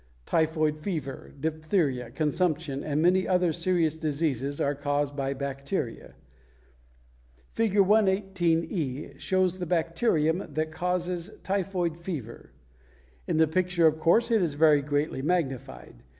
Typhoid fever, diphtheria, consumption, and many other serious diseases are caused by bacteria. Fig. 118, e, shows the bacterium that causes typhoid fever. In the picture, of course, it is very greatly magnified.